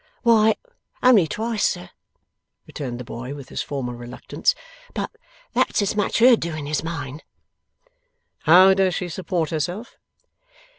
'Why, only twice, sir,' returned the boy, with his former reluctance; 'but that's as much her doing as mine.' 'How does she support herself?